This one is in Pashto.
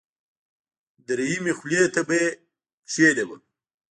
دریمې خولې ته به یې کېنوم.